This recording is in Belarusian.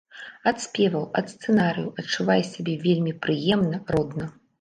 Ад спеваў, ад сцэнарыяў адчуваеш сябе вельмі прыемна, родна.